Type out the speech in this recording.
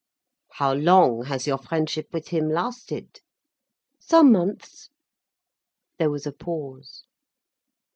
"How long has your friendship with him lasted?" "Some months." There was a pause.